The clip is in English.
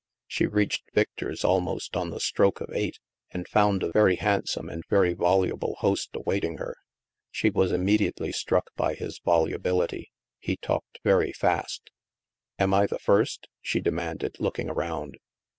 She reached Victor's almost on the stroke of eight and found a very handsome, and very voluble, host awaiting her. She was immediately struck by his volubility. He talked very fast. Am I the first ?" she demanded, looking around.